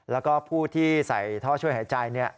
แล้วก็ผู้ที่ใส่ท่อช่วยหายใจ